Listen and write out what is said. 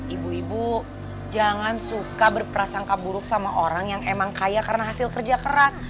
ibu ibu jangan suka berprasangka buruk sama orang yang emang kaya karena hasil kerja keras